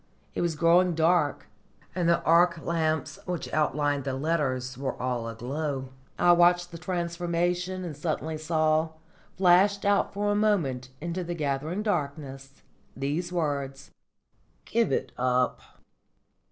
It was growing dark, and the arc lamps which outlined the letters were all aglow. I watched the transformation, and suddenly saw, flashed out for a moment into the gathering darkness, these words: "_Give it up.